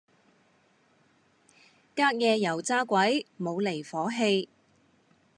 隔夜油炸鬼冇離火氣